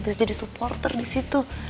bisa jadi supporter disitu